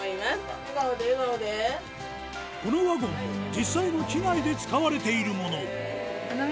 このワゴンも実際の機内で使われているもの